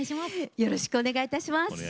よろしくお願いします。